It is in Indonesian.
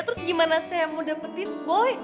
terus gimana saya mau dapetin boy